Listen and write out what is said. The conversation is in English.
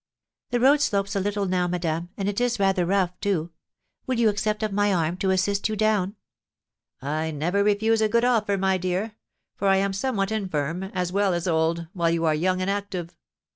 "The road slopes a little now, madame, and it is rather rough, too; will you accept of my arm to assist you down?" "I never refuse a good offer, my dear; for I am somewhat infirm, as well as old, while you are young and active."